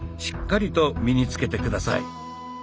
しっかりと身につけて下さい。